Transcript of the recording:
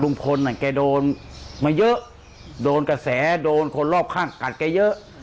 แกโดนมาเยอะโดนกระแสโดนคนรอบข้างกัดแกเยอะ